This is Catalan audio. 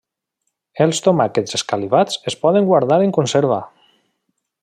Els tomàquets escalivats es poden guardar en conserva.